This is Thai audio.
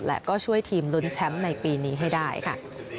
และก็ช่วยทีมลุ้นแชมป์ในปีนี้ให้ได้ค่ะ